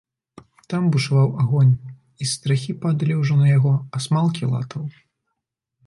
Там бушаваў агонь, і з страхі падалі ўжо на яго асмалкі латаў.